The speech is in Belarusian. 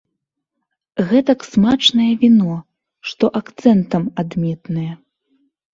Гэтак смачнае віно, што акцэнтам адметнае.